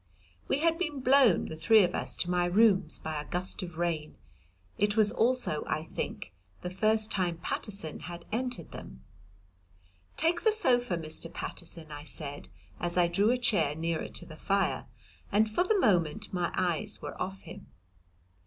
We had been blown, the three of us, to my rooms by a gust of rain; it was also, I think, the first time Paterson had entered them. "Take the sofa, Mr. Paterson," I said, as I drew a chair nearer to the fire, and for the moment my eyes were off him.